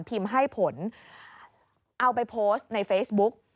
ให้ผลเอาไปโพสต์ในเฟซบุ๊ก